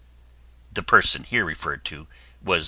The person here referred to was M.